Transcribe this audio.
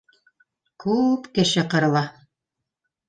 Күп кеше ҡырыла.